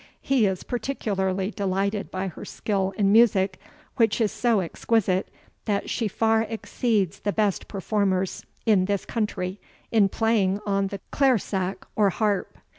He is particularly delighted by her skill in music, which is so exquisite, that she far exceeds the best performers in this country in playing on the clairshach, or harp.